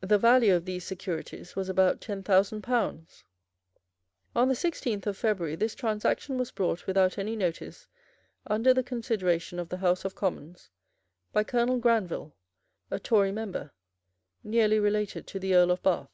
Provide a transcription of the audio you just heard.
The value of these securities was about ten thousand pounds. On the sixteenth of February this transaction was brought without any notice under the consideration of the House of Commons by Colonel Granville, a Tory member, nearly related to the Earl of Bath.